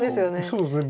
そうですね。